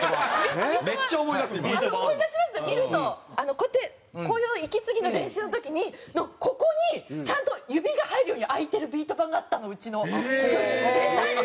こうやってこういう息継ぎの練習の時のここにちゃんと指が入るように空いてるビート板があったのうちのスクール。